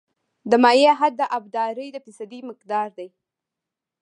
د مایع حد د ابدارۍ د فیصدي مقدار دی